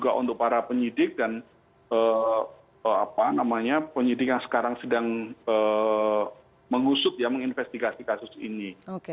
baik dari sisi apa namanya fpi maupun dari sisi